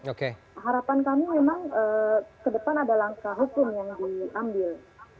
harapan kami memang ke depan ada langkah hukum yang diambil